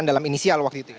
dalam inisial waktu itu